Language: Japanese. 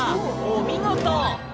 お見事。